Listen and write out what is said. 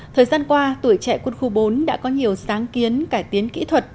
thời gian qua tuổi trẻ quân khu bốn đã có nhiều sáng kiến cải tiến kỹ thuật